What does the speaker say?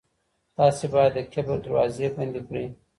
تاسي باید د کبر دروازې بندې کړئ.